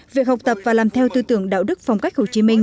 việc học tập và làm theo tư tưởng đạo đức phong cách hồ chí minh